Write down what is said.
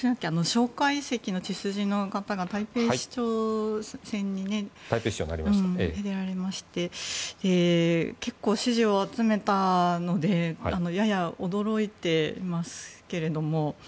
蒋介石の血筋の方が台北市長選に出られまして結構、支持を集めたのでやや驚いていますけれども。